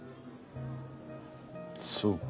そうか。